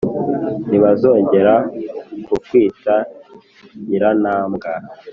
ntibazongera kukwita «nyirantabwa»,